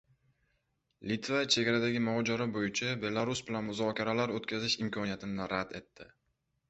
Litva chegaradagi mojaro bo‘yicha Belarus bilan muzokaralar o‘tkazish imkoniyatini rad etdi